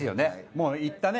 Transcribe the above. もう言ったね？